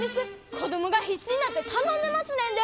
子供が必死になって頼んでますねんで！